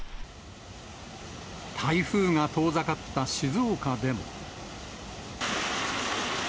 台風が遠ざかった静岡でも。